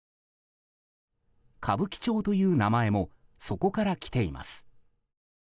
歌舞伎町という名前もそこから来ています。